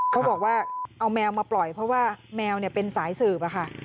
เขาบอกว่าเอาแมวมาปล่อยเพราะว่าแมวเป็นสายสืบอะค่ะ